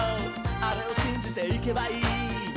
あれをしんじていけばいい」